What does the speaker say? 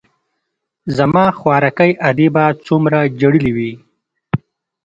زما خواركۍ ادې به څومره ژړلي وي.